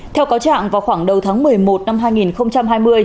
theo cáo trạng vào khoảng đầu tháng một mươi một năm hai nghìn hai mươi